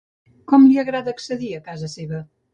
Com li agrada accedir a casa seva?